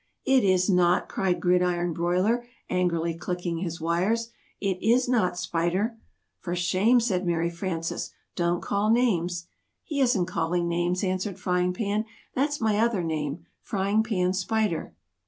"It is not!" cried Gridiron Broiler angrily clicking his wires. "It is not, Spider!" "For shame!" said Mary Frances. "Don't call names!" "He isn't calling names," answered Frying Pan, "that's my other name, Frying Pan Spider."